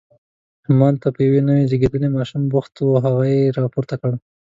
همالته په یو نوي زیږېدلي ماشوم بوخت و، هغه یې راپورته کړ.